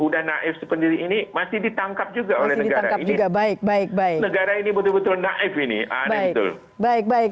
baik baik baik